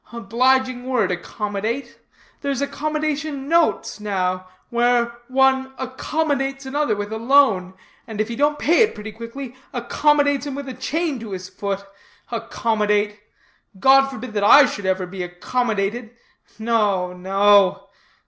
Obliging word accommodate: there's accommodation notes now, where one accommodates another with a loan, and if he don't pay it pretty quickly, accommodates him, with a chain to his foot. Accommodate! God forbid that I should ever be accommodated. No, no.